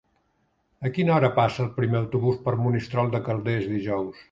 A quina hora passa el primer autobús per Monistrol de Calders dijous?